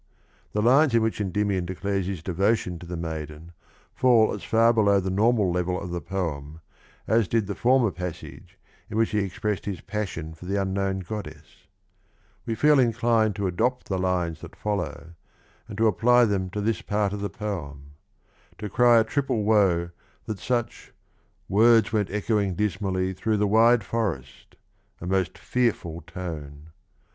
The lines in which Endymion declares his devotion to the maiden fall as far below the normal level of the poem as did the former passage in which he expressed his passion for the unknown goddess. We feel inclined to adopt the lines that follow and to apply them to this part of the poem : to cry a triple woe that such words went echoing dismally Through the wide forest — a most fearful tone.